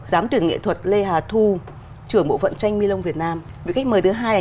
phát triển nghệ thuật lê hà thu trưởng bộ phận tranh my long việt nam vị khách mời thứ hai là